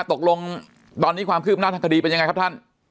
ตกลงตอนนี้ความคืบหน้าทางคดีเป็นยังไงครับท่าน